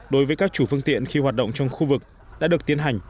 đối với các chủ phương tiện khi hoạt động trong khu vực đã được tiến hành